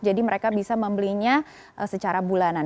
mereka bisa membelinya secara bulanan